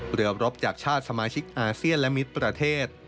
เรือรบจากชาติสมาชิกอาเซียนและมิตรประเทศ